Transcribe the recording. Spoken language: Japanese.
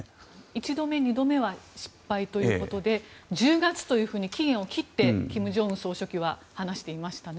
１度目、２度目は失敗ということで１０月と期限を切って金正恩総書記は話していましたね。